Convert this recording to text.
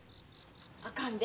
あかんで。